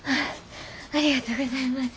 ありがとうございます。